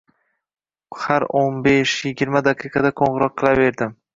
Har oʻn besh - yigirma daqiqada qoʻngʻiroq qilaverdim